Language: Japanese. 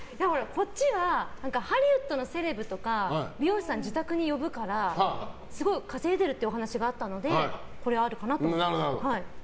ハリウッドのセレブとか美容師さんを自宅に呼ぶからすごい稼いでるってお話があったのでこれはあるかなと思いました。